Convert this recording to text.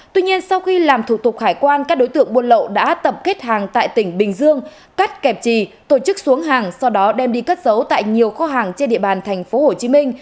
tuy nhiên sau khi làm thủ tục khải quan các đối tượng buôn lậu đã tập kết hàng tại tỉnh bình dương cắt kẹp trì tổ chức xuống hàng sau đó đem đi cất dấu tại nhiều kho hàng trên địa bàn tp hcm